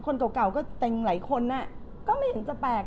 คนเก่าก็เติ้งหลายคนอะก็ไม่ถึงจะแปลก